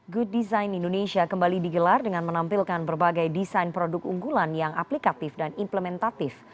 good design indonesia kembali digelar dengan menampilkan berbagai desain produk unggulan yang aplikatif dan implementatif